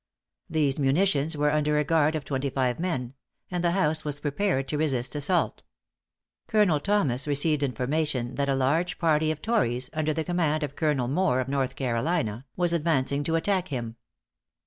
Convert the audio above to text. These munitions were under a guard of twenty five men; and the house was prepared to resist assault. Colonel Thomas received information that a large party of tories, under the command of Colonel More of North Carolina, was advancing to attack him.